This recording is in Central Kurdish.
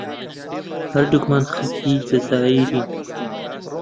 هەردووکمان خەڵکی جەزائیرین.